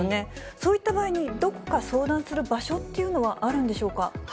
そういった場合にどこか相談する場所っていうのはあるんでしょうか。